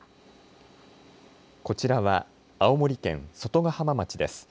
こちらは青森県外ヶ浜町です。